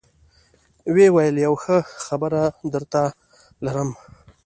ويې ويل يو ښه خبرم درته لرم.